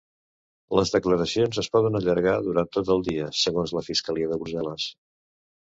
Les declaracions es poden allargar durant tot el dia, segons la fiscalia de Brussel·les.